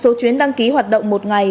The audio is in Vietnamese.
số chuyến đăng ký hoạt động một ngày